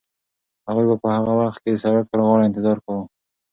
هغوی به په هغه وخت کې د سړک پر غاړه انتظار کاوه.